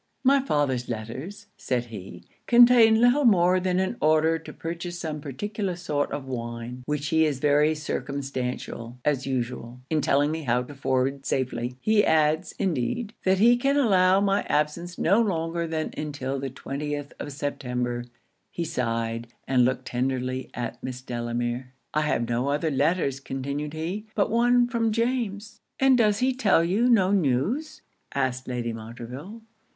'My father's letters,' said he, 'contain little more than an order to purchase some particular sort of wine which he is very circumstantial, as usual, in telling me how to forward safely. He adds, indeed, that he can allow my absence no longer than until the 20th of September.' He sighed, and looked tenderly at Miss Delamere. 'I have no other letters,' continued he, 'but one from James.' 'And does he tell you no news,' asked Lady Montreville?